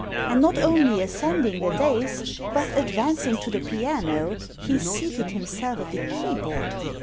And not only ascending the dais, but, advancing to the piano, he seated himself at the keyboard.